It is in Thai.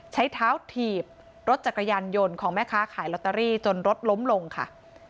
ใช้เท้าถีบรถจักรยานยนต์ของแม่ค้าขายลอตเตอรี่จนรถล้มลงค่ะ